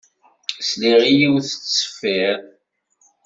Sliɣ i yiwet tettṣeffiṛ.